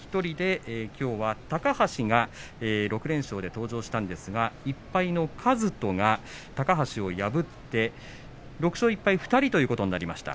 高橋が６連勝で登場したんですが１敗の一翔が高橋を破って６勝１敗２人ということになりました。